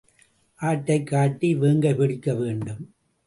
ஆட்டைக் காட்டி வேங்கை பிடிக்க வேண்டும்.